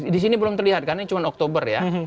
di sini belum terlihat karena cuma oktober ya